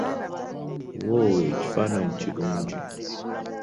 Woowe, ekifaananyi kirungi!